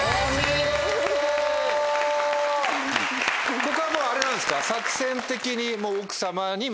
ここはもうあれなんですか？